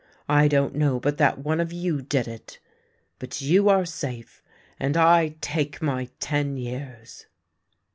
I don't know but that one of you did it. But you are safe, and I take my ten years